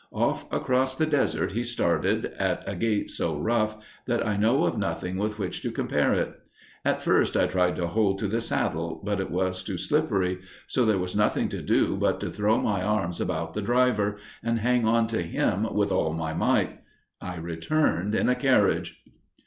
Off across the desert he started, at a gait so rough that I know of nothing with which to compare it. At first, I tried to hold to the saddle, but it was too slippery, so there was nothing to do but to throw my arms about the driver, and hang on to him with all my might. I returned in a carriage!